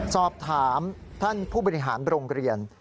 สอบถามท่านผู้บริหารโรงเรียน